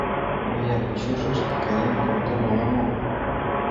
Мыят почешышт каен колтем ала-мо?